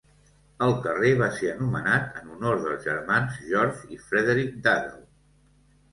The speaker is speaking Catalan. El carrer va ser anomenat en honor dels germans George i Frederick Duddell.